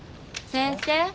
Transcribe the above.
先生。